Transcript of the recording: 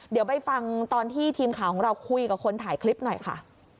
เดี๋ยวไปฟังตอนที่ทีมข่าวของเราคุยกับคนถ่ายคลิปหน่อยค่ะ